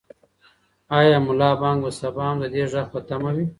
آیا ملا بانګ به سبا هم د دې غږ په تمه وي؟